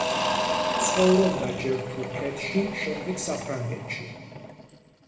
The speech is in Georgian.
ცხოვრობდა ჯერ თურქეთში, შემდეგ საფრანგეთში.